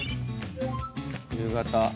夕方。